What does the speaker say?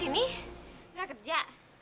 kamu kok di sini gak kerja